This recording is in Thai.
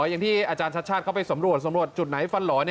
อย่างที่อาจารย์ชัดชาติเข้าไปสำรวจสำรวจจุดไหนฟันหล่อ